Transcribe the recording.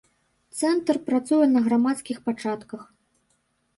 Цэнтр працуе на грамадскіх пачатках.